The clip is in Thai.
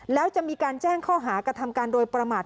แล้วจะมีการแจ้งข้อหากระทำการโดยประมาท